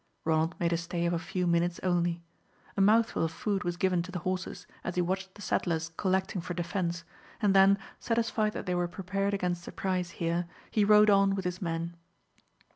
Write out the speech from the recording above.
Ronald made a stay of a few minutes only. A mouthful of food was given to the horses, as he watched the settlers collecting for defence, and then, satisfied that they were prepared against surprise here, he rode on with his men.